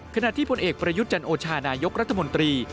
ขณะที่พลเอกประยุทธ์จันโอชานายกรัฐมนตรี